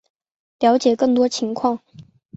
了解更多情况